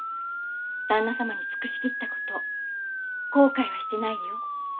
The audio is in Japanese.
旦那様に尽くし切ったこと後悔はしてないよ。